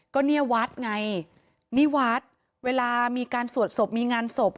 ก็เนี่ยวัดไงนี่วัดเวลามีการสวดศพมีงานศพ